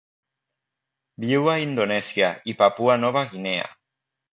Viu a Indonèsia i Papua Nova Guinea.